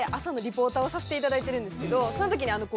させていただいてるんですけどその時に。